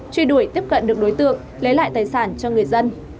truy đuổi tiếp cận được đối tượng lấy lại tài sản cho người dân